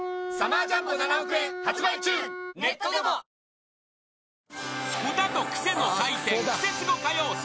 新しくなった［歌とクセの祭典クセスゴ歌謡祭。